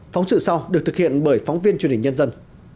phóng sự sau được thực hiện bởi phóng viên truyền hình nhân dân